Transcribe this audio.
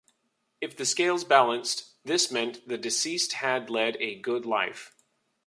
If the scales balanced, this meant the deceased had led a good life.